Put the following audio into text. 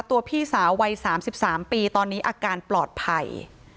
พี่สาววัย๓๓ปีตอนนี้อาการปลอดภัย